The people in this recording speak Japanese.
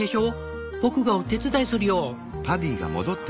僕がお手伝いするよ。